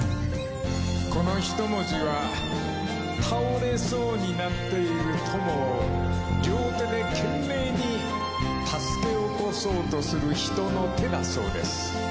この一文字は倒れそうになっている友を両手で懸命に助け起こそうとする人の手だそうです。